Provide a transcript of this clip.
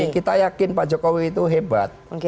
kita yakin pak jokowi itu hebat